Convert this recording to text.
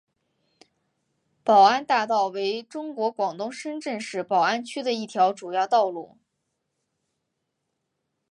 宝安大道为中国广东深圳市宝安区的一条主要道路。